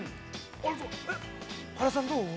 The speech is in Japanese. ◆原さん、どう？